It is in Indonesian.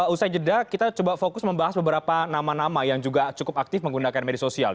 usai jeda kita coba fokus membahas beberapa nama nama yang juga cukup aktif menggunakan media sosial